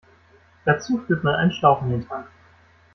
Dazu führt man einen Schlauch in den Tank.